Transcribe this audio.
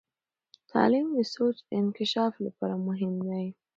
تعلیم د سوچ انکشاف لپاره مهم دی.